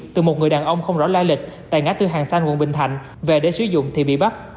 từ một người đàn ông không rõ lai lịch tại ngã tư hàng xanh quận bình thạnh về để sử dụng thì bị bắt